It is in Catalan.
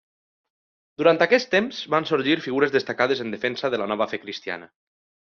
Durant aquest temps van sorgir figures destacades en defensa de la nova fe cristiana.